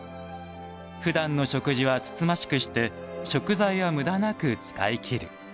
ふだんの食事は慎ましくして食材は無駄なく使い切る。